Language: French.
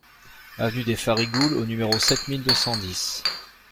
Avenue des Farigoules au numéro sept mille deux cent dix